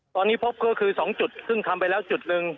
ตอนนี้พบก็คือ๒จุดซึ่งทำไปแล้วจุดหนึ่ง